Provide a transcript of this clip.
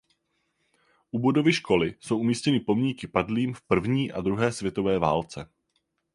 U budovy školy jsou umístěny pomníky padlým v první a druhé světové válce.